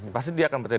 pasti dia akan bertanya